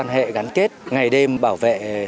hệ gắn kết ngày đêm bảo vệ